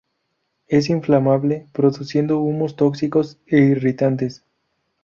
Es inflamable produciendo humos tóxicos e irritantes.